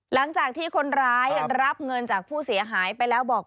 หลังจากที่คนร้ายรับเงินจากผู้เสียหายไปแล้วบอก